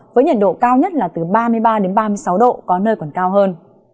với nhiệt độ cao nhất là từ ba mươi ba đến ba mươi sáu độ có nơi còn cao hơn